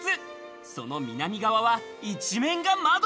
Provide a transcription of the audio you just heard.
その南側は一面が窓。